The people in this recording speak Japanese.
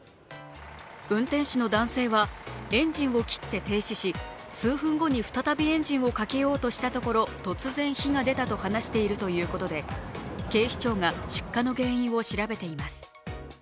運転手の男性はエンジンを切って停止し数分後に再びエンジンをかけようとしたところ突然火が出たと話しているということで警視庁が出火の原因を調べています。